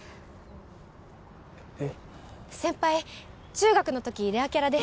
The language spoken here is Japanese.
中学の時レアキャラで